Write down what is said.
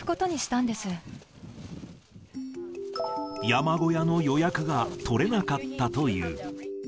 山小屋の予約が取れなかったという。